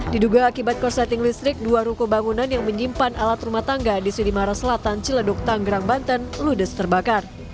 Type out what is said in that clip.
diduga akibat korsleting listrik dua ruko bangunan yang menyimpan alat rumah tangga di sirimara selatan ciledug tanggerang banten ludes terbakar